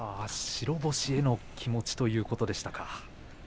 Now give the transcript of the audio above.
白星への気持ちということでしたか。